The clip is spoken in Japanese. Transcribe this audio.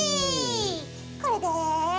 これで。